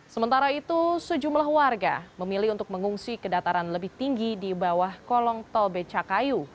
sementara itu sejumlah warga memilih untuk mengungsi ke dataran lebih tinggi di bawah kolong tol becakayu